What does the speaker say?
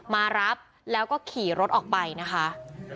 มารับแล้วก็ขี่รถออกไปนะคะ